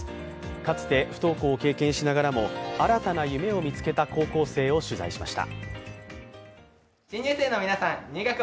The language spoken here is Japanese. かつて不登校を経験しながらも新たな夢を見つけた高校生を取材しました。